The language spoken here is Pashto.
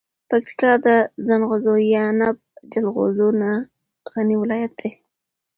پکتیکا د زنغوزو یعنب جلغوزو نه غنی ولایت ده.